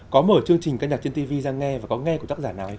có mở chương trình các nhạc trên tv ra nghe và có nghe của tác giả nào